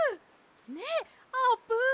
ねっあーぷん？